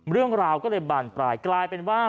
เรื่องราวก็เลยบานปลายกลายเป็นว่า